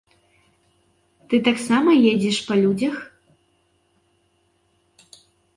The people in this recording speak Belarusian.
Ты таксама ездзіш па людзях?